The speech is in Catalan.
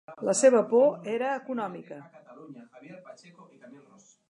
La seva por era econòmica.